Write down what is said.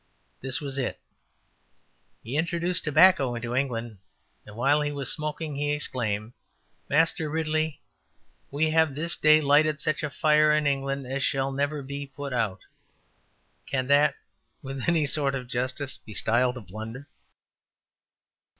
This was it: ``He introduced tobacco into England, and while he was smoking he exclaimed, `Master Ridley, we have this day lighted such a fire in England as shall never be put out.' '' Can that, with any sort of justice, be styled a blunder?